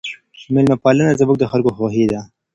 ميلمه پالنه زموږ د خلګو خوی دی.